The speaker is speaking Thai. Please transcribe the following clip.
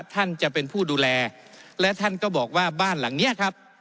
ท่านจะเป็นผู้ดูแลและท่านก็บอกว่าบ้านหลังเนี้ยครับ